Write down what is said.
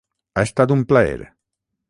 Ha estat un plaer.